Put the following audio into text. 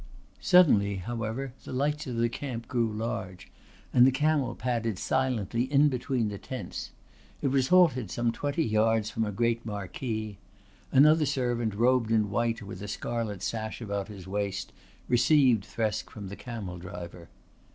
Suddenly however the lights of the camp grew large and the camel padded silently in between the tents. It was halted some twenty yards from a great marquee. Another servant robed in white with a scarlet sash about his waist received Thresk from the camel driver.